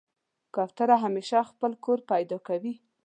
کوتره همیشه خپل کور پیدا کوي.